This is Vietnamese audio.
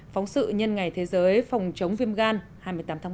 phóng sự nhân ngày thế giới phòng chống viêm gan hai mươi tám tháng một